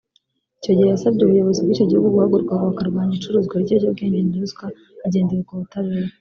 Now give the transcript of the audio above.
Icyo gihe yasabye ubuyobozi bw’icyo gihugu guhaguruka bakarwanya icuruzwa ry’ibiyobyabwenge na ruswa hagendewe ku butabera